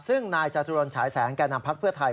ซึ่งนายจตุรนฉายแสงแก่นำพักเพื่อไทย